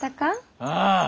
ああ。